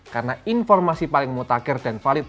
karena informasi paling mutagir dan valid